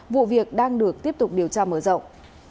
vụ việc đang được tiếp tục điều tra mở rộng